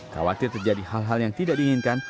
khawatir terjadi hal hal yang tidak diinginkan